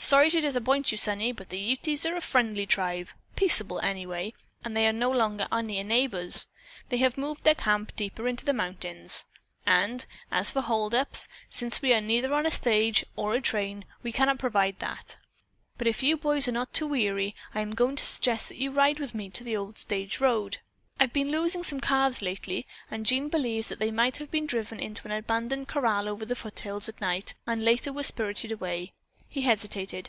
"Sorry to disappoint you, sonny, but the Utes are a friendly tribe: peaceable, anyway, and they are no longer our near neighbors. They have moved their camp deeper into the mountains. And, as for hold ups, since we are neither on a stage or a train we cannot provide that, but if you boys are not too weary I am going to suggest that you ride with me to the old stage road. I've been losing some calves lately and Jean believes that they might have been driven into an abandoned corral over in the foothills at night, and later were spirited away." He hesitated.